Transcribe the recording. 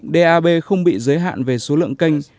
dab không bị giới hạn về số lượng kênh